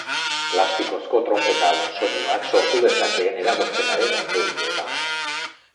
Plastikozko trompeta hauen soinuak sortu dezakeen eragozpenaren odorio da.